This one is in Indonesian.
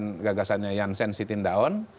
atau gagasannya yang sent sit in down